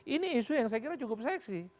ini isu yang saya kira cukup seksi